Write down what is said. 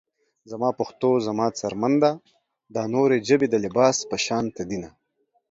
زما پښتو زما څرمن ده دا نورې ژبې د لباس پشانته دينه